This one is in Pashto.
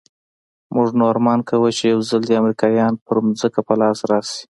موږ نو ارمان کاوه چې يو ځل دې امريکايان پر ځمکه په لاس راسي.